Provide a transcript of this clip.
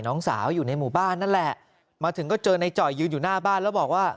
น้องสาวอยู่ในหมู่บ้านนั่นแหละมาถึงก็เจอในจ่อยยืนอยู่หน้าบ้านแล้วบอกว่า